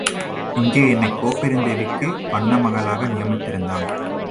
இங்கே என்னைக் கோப்பெருந்தேவிக்கு வண்ணமகளாக நியமித்திருந்தான்.